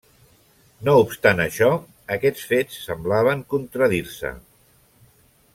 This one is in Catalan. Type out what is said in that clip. No obstant això, aquests fets semblaven contradir-se.